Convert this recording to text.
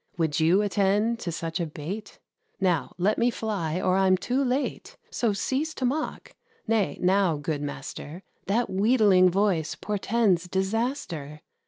Would you attend to such a bait? Now, let me fly, or I'm too late; So, cease to mock. Nay, now, good master, That wheedling voice portends disaster!